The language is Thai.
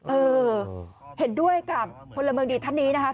เออเห็นด้วยกับพลเมืองดีท่านนี้นะคะ